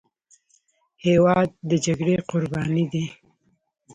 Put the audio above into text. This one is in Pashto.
هېواد د جګړې قرباني دی.